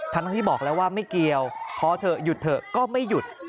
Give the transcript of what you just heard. ทั้งที่บอกแล้วว่าไม่เกี่ยวพอเถอะหยุดเถอะก็ไม่หยุด